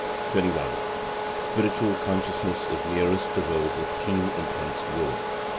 21. Spiritual consciousness is nearest to those of keen, intense will.